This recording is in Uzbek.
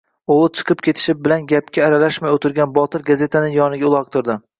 O`g`li chiqib ketishi bilan gapga aralashmay o`tirgan Botir gazetani yoniga uloqtirdi